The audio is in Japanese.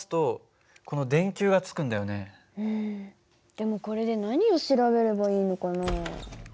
でもこれで何を調べればいいのかな？